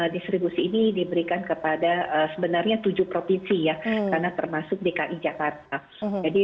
distribusi ini diberikan kepada sebenarnya tujuh provinsi ya karena termasuk dki jakarta jadi